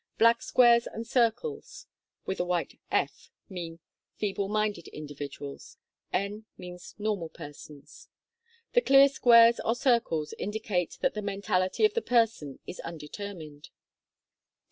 Black squares and circles (with a white "F") mean feeble minded individuals ; N means normal persons. The clear squares or circles indicate that the mentality of the person is undetermined.